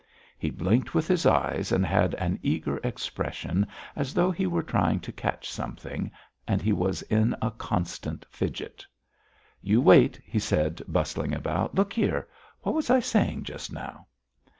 He blinked with his eyes and had an eager expression as though he were trying to catch something and he was in a constant fidget. "You wait," he said, bustling about. "Look here!... What was I saying just now?"